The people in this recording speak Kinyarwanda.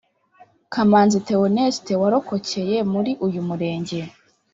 Kamanzi Theoneste warokokeye muri uyu murenge